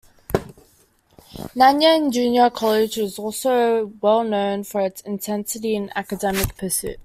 Nanyang Junior College is also well known for its intensity in academic pursuits.